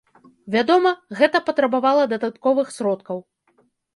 Вядома, гэта патрабавала дадатковых сродкаў.